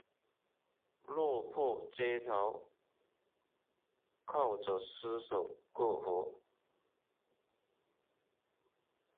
落魄街头靠著施舍过活